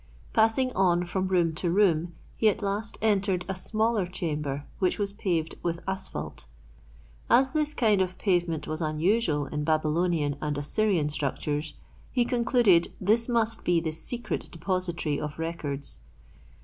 Passing on from room to room, he at last entered a smaller chamber which was paved with asphalt. As this kind of pavement was unusual in Babylonian and Assyrian structures he concluded this must be the secret depository of records.